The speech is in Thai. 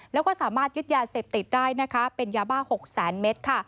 แล้วก็สามารถยึดยาเสพติดได้เป็นยาบ้าหกแสนเมตร